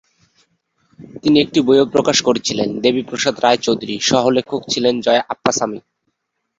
তিনি একটি বইও প্রকাশ করেছিলেন, "দেবী প্রসাদ রায় চৌধুরী", সহ-লেখক ছিলেন জয়া আপ্পাসামী।